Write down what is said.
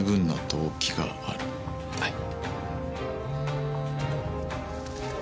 はい。